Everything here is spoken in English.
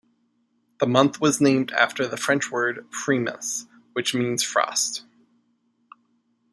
The month was named after the French word "frimas", which means "frost".